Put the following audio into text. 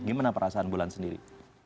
gimana perasaan bulan sendiri